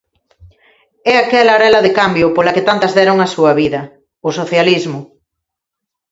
É aquela arela de cambio pola que tantas deron a súa vida: o socialismo.